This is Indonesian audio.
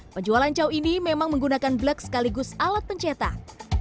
penjualan cao ini memang menggunakan blek sekaligus alat pencetak